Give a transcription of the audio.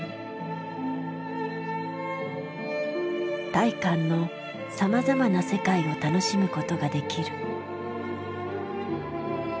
大観のさまざまな世界を楽しむことができる。